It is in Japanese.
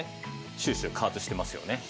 シューシュー加圧してますよね。